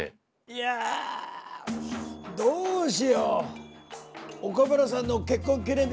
いやどうしよう！